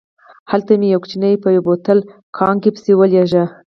هملته مې یو کوچنی په یو بوتل کاګناک پسې ولېږه.